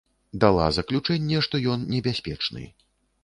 Дала заключэнне, што ён небяспечны.